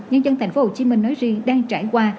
nhân dân tp hcm nói ri đang trải qua